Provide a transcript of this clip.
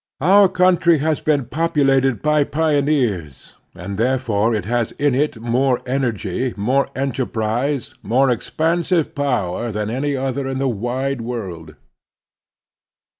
Our country has been populated by pioneers, and therefore it has in it more energy, more enterprise, more expansive power than any other in the wide world.